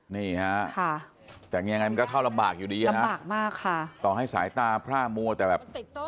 นี่ฮะแต่ง่ายมันก็เข้าลำบากอยู่ดีนะต่อให้สายตาพล่ามัวแต่แบบ